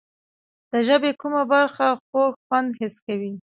د ژبې کومه برخه خوږ خوند حس کوي؟